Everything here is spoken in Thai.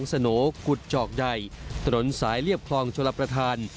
บ้านน้องสโน้กุฐจอกใดถนนสายเลียบคลองโชลัปประทาน